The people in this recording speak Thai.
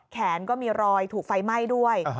แขนก็มีรอยถูกไฟไหม้ด้วย